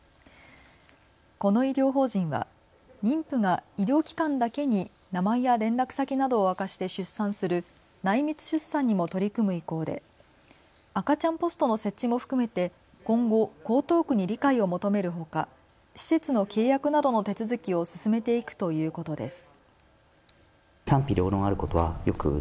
この医療法人は妊婦が医療機関だけに名前や連絡先などを明かして出産する内密出産にも取り組む意向で赤ちゃんポストの設置も含めて今後、江東区に理解を求めるほか、施設の契約などの手続きを進めていくということです。